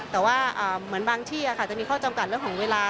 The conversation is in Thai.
แต่ว่าเหมือนบางที่จะมีข้อจำกัดเรื่องของเวลา